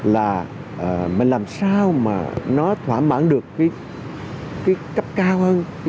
là làm sao mà nó thỏa mãn được cái cấp cao hơn